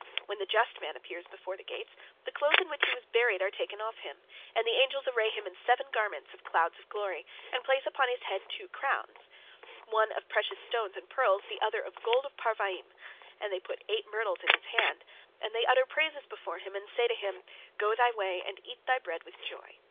When the just man appears before the gates, the clothes in which he was buried are taken off him, and the angels array him in seven garments of clouds of glory, and place upon his head two crowns, one of precious stones and pearls, the other of gold of Parvaim, and they put eight myrtles in his hand, and they utter praises before him and say to him, "Go thy way, and eat thy bread with joy."